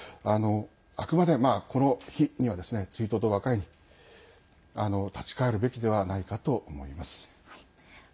あくまで、この日には追悼と和解立ち返るべきではないかと思います。